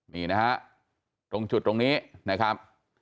นี่นะฮะตรงจุดตรงนี้นะครับ